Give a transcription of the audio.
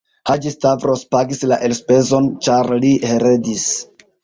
Haĝi-Stavros pagis la elspezon, ĉar li heredis.